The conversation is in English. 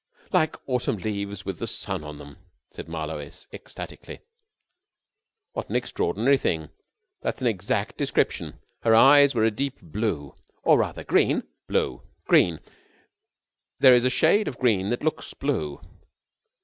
"Like autumn leaves with the sun on them!" said Marlowe ecstatically. "What an extraordinary thing! That is an absolutely exact description. Her eyes were a deep blue...." "Or, rather, green." "Blue." "Green. There is a shade of green that looks blue."